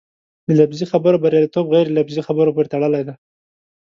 د لفظي خبرو بریالیتوب غیر لفظي خبرو پورې تړلی دی.